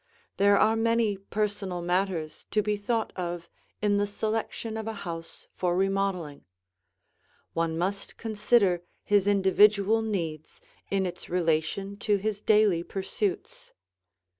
There are many personal matters to be thought of in the selection of a house for remodeling; one must consider his individual needs in its relation to his daily pursuits.